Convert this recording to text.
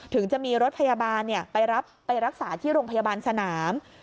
ถึงจะมีรถพยาบาลไปรับไปรักษาที่โรงพยาบาลสนาม